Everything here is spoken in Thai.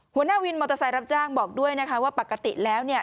หัวหน้าวินมอเตอร์ไซค์รับจ้างบอกด้วยนะคะว่าปกติแล้วเนี่ย